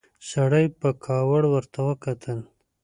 سړي په کاوړ ورته وکتل.